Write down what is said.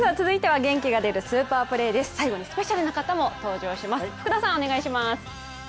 続いては元気が出るスーパープレーです。